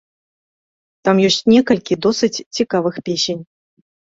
Там ёсць некалькі досыць цікавых песень.